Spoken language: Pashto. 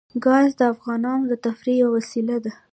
ګاز د افغانانو د تفریح یوه وسیله ده.